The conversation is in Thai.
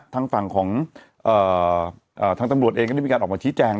ทางฝั่งของทางตำรวจเองก็ได้มีการออกมาชี้แจง